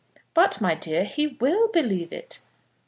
"But, my dear, he will believe it."